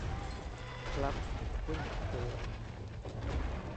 ครับ หุ้นโพสต์